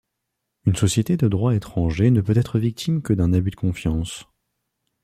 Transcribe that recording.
Une société de droit étranger ne peut être victime que d'un abus de confiance.